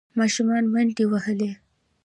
ماشومان منډې وهلې.